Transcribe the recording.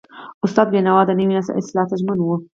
استاد بینوا د نوي نسل اصلاح ته ژمن و.